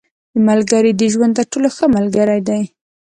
• ملګری د ژوند تر ټولو ښه ملګری دی.